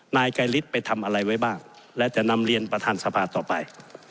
นายไกรฤทธิ์ไปทำอะไรไว้บ้างและจะนำเรียนประธานสภาต่อไป